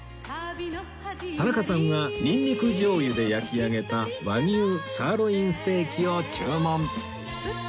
田中さんはニンニク醤油で焼き上げた和牛サーロインステーキを注文